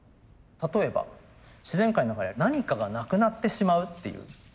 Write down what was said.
例えば自然界の中で何かがなくなってしまうっていうケースがあります。